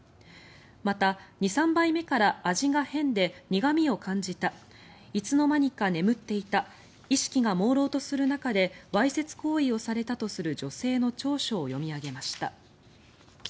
また、２３杯目から味が変で苦味を感じたいつの間にか眠っていた意識がもうろうとする中でわいせつ行為をされたとする女性の調書を読み上げました。